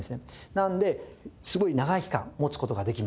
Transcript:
なのですごい長い期間持つ事ができます。